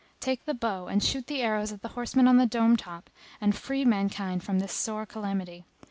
Take the bow and shoot the arrows at the horseman on the dome top and free mankind from this sore calamity.